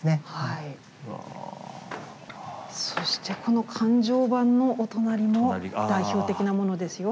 そしてこの「灌頂幡」のお隣の代表的なものですよ。